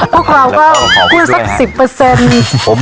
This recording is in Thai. พวกเราก็พูดสัก๑๐